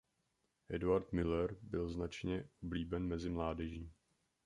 Eduard Müller byl značně oblíben mezi mládeží.